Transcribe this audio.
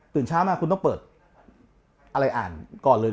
เช้ามาคุณต้องเปิดอะไรอ่านก่อนเลย